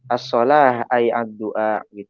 as sholah ayat dua